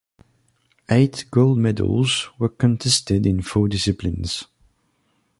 Eight gold medals were contested in four disciplines.